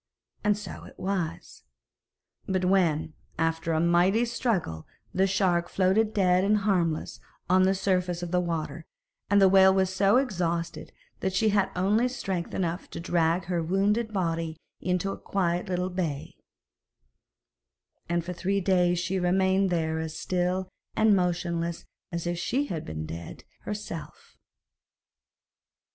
And so it was. But when, after a mighty struggle, the shark floated dead and harmless on the surface of the water, the whale was so exhausted that she had only strength enough to drag her wounded body into a quiet little bay, and for three days she remained there as still and motionless as if she had been dead herself.